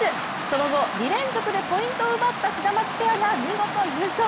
その後２連続でポイントを奪ったシダマツペアが見事優勝！